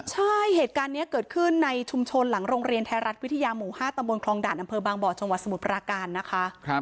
ใช่เหตุการณ์นี้เกิดขึ้นในชุมชนหลังโรงเรียนไทยรัฐวิทยาหมู่๕ตำบลคลองด่านอำเภอบางบ่อจังหวัดสมุทรปราการนะคะ